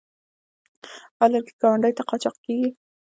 آیا لرګي ګاونډیو ته قاچاق کیږي؟